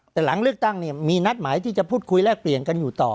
แต่หลังเลือกตั้งเนี่ยมีนัดหมายที่จะพูดคุยแลกเปลี่ยนกันอยู่ต่อ